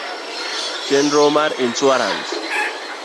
Chenro mar insuarans